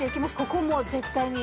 ここも絶対に。